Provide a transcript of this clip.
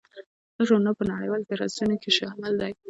دا ژورنال په نړیوالو فهرستونو کې شامل دی.